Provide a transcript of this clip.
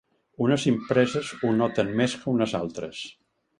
Unes empreses ho noten més que unes altres.